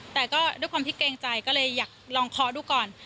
แต่ก็ด้วยความที่เกรงใจก็เลยอยากลองเคาะดูก่อน